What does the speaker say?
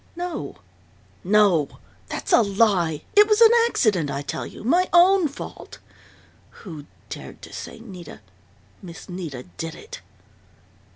"No, no! That's a lie! It was an accident, I tell you my own fault!... Who dared to say Nita Miss Nita did it?"